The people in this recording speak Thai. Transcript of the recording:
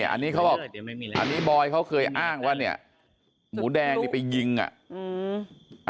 อันนี้บอยเขาเคยอ้างว่าเนี่ยหมูแดงนี่ไปยิงอ่ะ